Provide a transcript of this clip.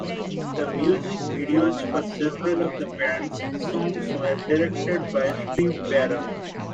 The music videos for several of the band's songs were directed by Steve Barron.